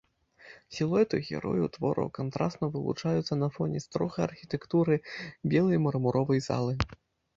Сілуэты герояў твора кантрасна вылучаюцца на фоне строгай архітэктуры белай мармуровай залы.